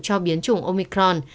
cho biến chủng omicron